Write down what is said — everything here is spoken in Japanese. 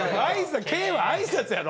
ケイは挨拶やろ。